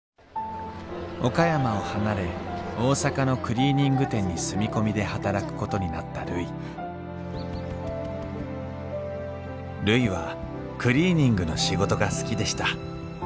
岡山を離れ大阪のクリーニング店に住み込みで働くことになったるいるいはクリーニングの仕事が好きでした。